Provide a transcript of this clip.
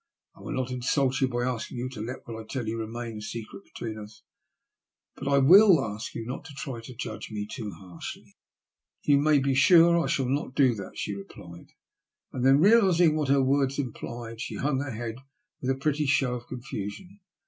I will not insult you by asking you to let whstt I tell you remain a secret between us, but I wUl ask you to try not to judge me too harshly.*' ''You may be sure I shall not do that/' she replied ; and then realising what her words implied, she hung her head with a pretty show of confusion.